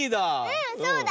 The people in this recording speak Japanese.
うんそうだよ。